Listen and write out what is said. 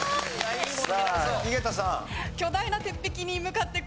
さあ井桁さん。